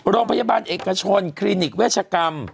โรงพยาบาลเอกชนคลินิกเวชกรรม